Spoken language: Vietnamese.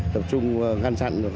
tập trung ngăn sẵn